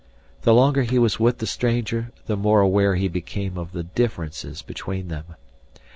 The longer he was with the stranger, the more aware he became of the differences between them.